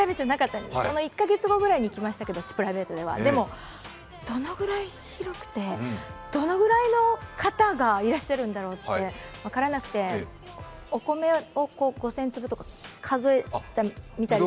その１か月後くらいにプライベートでは行きましたが、でも、どのぐらい広くて、どのぐらいの方がいらしてるんだろうって分からなくて、お米を５０００粒とか数えたみたいで。